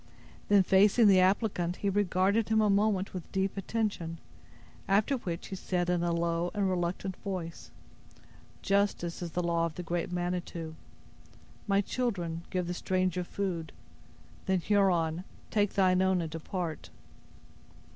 Then, facing the applicant, he regarded him a moment with deep attention; after which he said, in a low and reluctant voice: "Justice is the law of the great Manitou. My children, give the stranger food. Then, Huron, take thine own and depart."